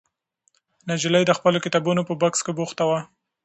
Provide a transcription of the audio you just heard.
نجلۍ د خپلو کتابونو په بکس بوخته وه.